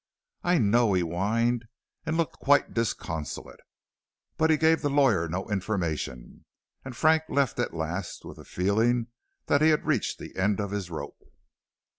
"I know," he whined, and looked quite disconsolate, but he gave the lawyer no information, and Frank left at last with the feeling that he had reached the end of his rope.